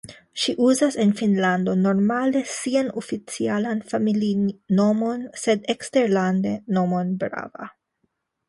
Ŝi uzas en Finnlando normale sian oficialan familinomon sed eksterlande nomon Brava.